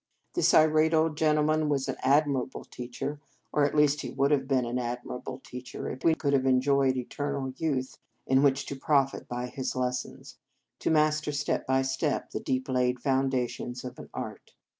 This irate old gentleman was an admirable teacher, or at least he would have been an admirable teacher if we could have enjoyed eternal youth in which to profit by his lessons, to master step by step the deep laid foun dations of an art.